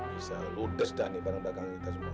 bisa ludes dah nih barang barang kita semua